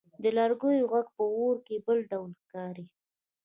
د لرګیو ږغ په اور کې بل ډول ښکاري.